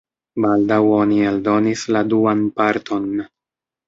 Baldaŭ oni eldonis la duan parton.